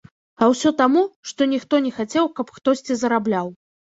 А ўсё таму, што ніхто не хацеў, каб хтосьці зарабляў.